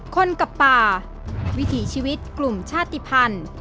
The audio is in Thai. คนกับป่าวิถีชีวิตกลุ่มชาติภัณฑ์